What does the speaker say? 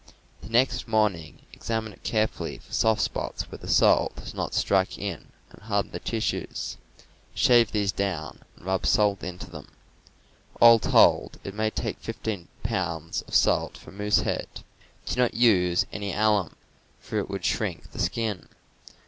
The next morning examine it carefully for soft spots where the salt has not struck in and hardened the tissues; shave these down and rub salt into them. All told, it may take fifteen pounds of salt for a moose head. Do not use any alum, for it would shrink the skin.